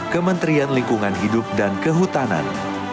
kementerian lingkungan hidup dan kehutanan